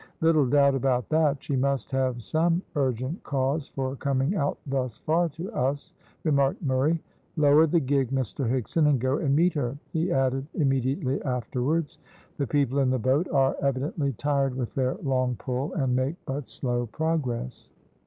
"Little doubt about that. She must have some urgent cause for coming out thus far to us," remarked Murray. "Lower the gig, Mr Higson, and go and meet her," he added immediately afterwards. "The people in the boat are evidently tired with their long pull, and make but slow progress."